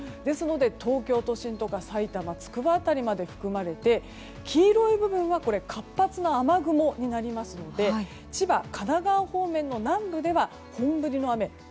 ですので東京都心やさいたま、つくば付近まで含まれて、黄色い部分は活発な雨雲になりますので千葉、神奈川方面の南部では本降りの雨。